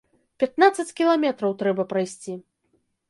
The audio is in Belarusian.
Пятнаццаць кіламетраў трэба прайсці.